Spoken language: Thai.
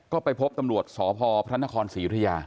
ก็ไปพบตำรวจสพพระนครศรียุธยา